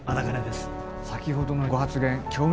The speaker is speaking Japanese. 先ほどのご発言興味